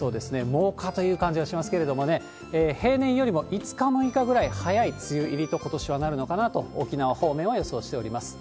もうかという感じがしますけれどもね、平年よりも５日、６日ぐらい早い梅雨入りと、ことしはなるのかなと、沖縄方面は予想しております。